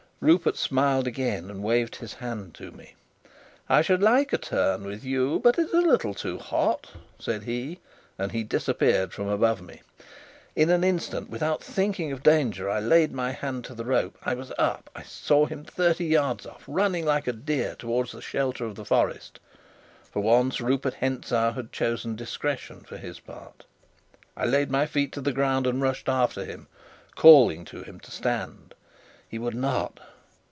Rupert smiled again, and waved his hand to me. "I should like a turn with you, but it's a little too hot!" said he, and he disappeared from above me. In an instant, without thinking of danger, I laid my hand to the rope. I was up. I saw him thirty yards off, running like a deer towards the shelter of the forest. For once Rupert Hentzau had chosen discretion for his part. I laid my feet to the ground and rushed after him, calling to him to stand. He would not.